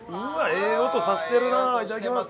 ええ音させてるないただきます